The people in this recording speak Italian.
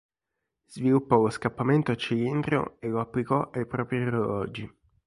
Sviluppò lo scappamento a cilindro e lo applicò ai propri orologi.